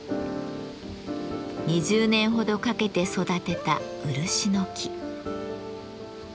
２０年ほどかけて育てた漆の木。